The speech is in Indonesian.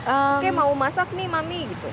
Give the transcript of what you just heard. oke mau masak nih mami gitu